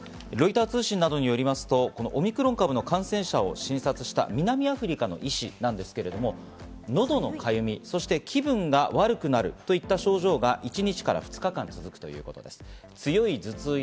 ロイター通信などによりますと、オミクロン株の感染者を診察した南アフリカの医師なんですけど、喉のかゆみ、気分が悪くなるといった症状が１日から２日間続くということです。